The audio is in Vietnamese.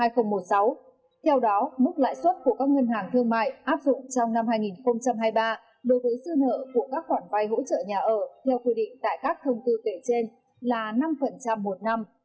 theo đó mức lãi suất của các ngân hàng thương mại áp dụng trong năm hai nghìn hai mươi ba